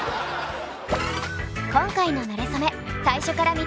今回の「なれそめ」